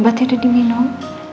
obatnya udah diminum